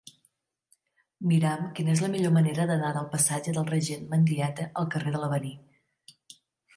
Mira'm quina és la millor manera d'anar del passatge del Regent Mendieta al carrer de l'Avenir.